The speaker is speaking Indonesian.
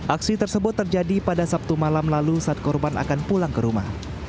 aksi tersebut terjadi pada sabtu malam lalu saat korban akan pulang ke rumah